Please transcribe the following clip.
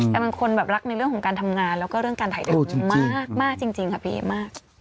แต่บางคนแบบรักในเรื่องของการทำงานแล้วก็เรื่องการถ่ายรูปมากจริงค่ะพี่เอ๋มาก